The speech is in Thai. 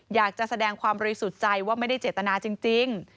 อยากจะแสดงความบริสุทธิ์ใจว่าไม่ได้เจตนาจริง